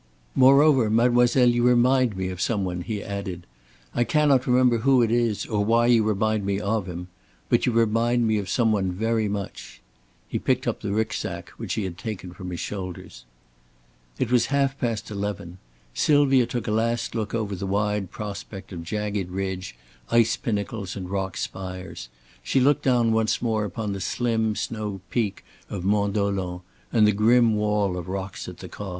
"Moreover, mademoiselle, you remind me of some one," he added. "I cannot remember who it is, or why you remind me of him. But you remind me of some one very much." He picked up the Rücksack which he had taken from his shoulders. It was half past eleven. Sylvia took a last look over the wide prospect of jagged ridge, ice pinnacles and rock spires. She looked down once more upon the slim snow peak of Mont Dolent and the grim wall of rocks at the Col.